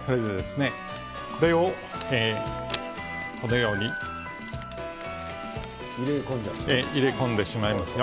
それでこれを、このように入れ込んでしまいますよ。